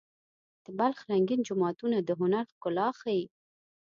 د بلخ رنګین جوماتونه د هنر ښکلا ښيي.